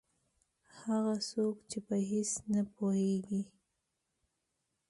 هغه څوک چې په هېڅ نه پوهېږي.